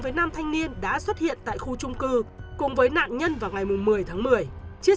với nam thanh niên đã xuất hiện tại khu trung cư cùng với nạn nhân vào ngày một mươi tháng một mươi chiếc